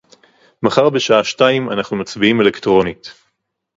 מחר בשעה שתיים אנחנו מצביעים אלקטרונית